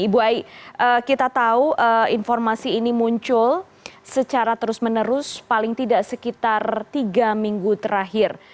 ibu ai kita tahu informasi ini muncul secara terus menerus paling tidak sekitar tiga minggu terakhir